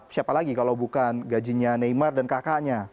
siapa lagi kalau bukan gajinya neymar dan kakaknya